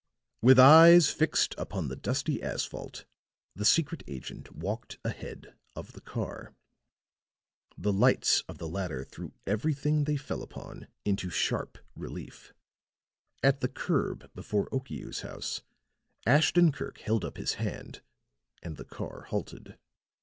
With eyes fixed upon the dusty asphalt, the secret agent walked ahead of the car. The lights of the latter threw everything they fell upon into sharp relief. At the curb before Okiu's house, Ashton Kirk held up his hand, and the car halted.